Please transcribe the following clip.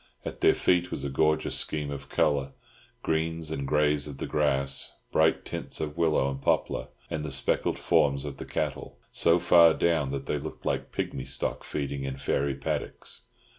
At their feet was a gorgeous scheme of colour, greens and greys of the grass, bright tints of willow and poplar, and the speckled forms of the cattle, so far down that they looked like pigmy stock feeding in fairy paddocks.